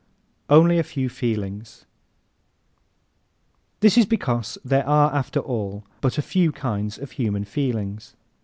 Only a Few Feelings ¶ This is because there are after all but a few kinds of human feelings.